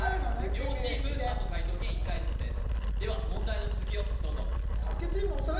両チーム、あと解答権１回ずつです。